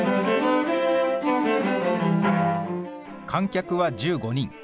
観客は１５人。